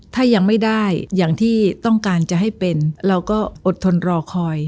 ถ้ายังไม่ได้อย่างที่ต้องการจะให้เป็นเราก็อดทนรอคอย